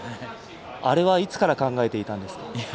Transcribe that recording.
あれは、いつから考えていたんですか？